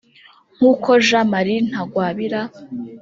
nk’uko Jean Marir Ntagwabira